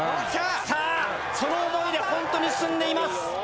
さあその想いでほんとに進んでいます。